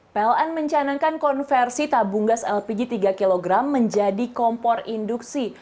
pln mencanangkan konversi tabung gas lpg tiga kg menjadi kompor induksi